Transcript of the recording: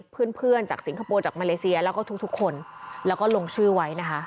เพื่อนจากสิงคโปร์จากมาเลเซียแล้วก็ทุกคนแล้วก็ลงชื่อไว้นะคะ